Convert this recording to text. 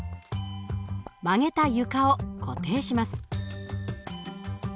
曲げた床を固定します。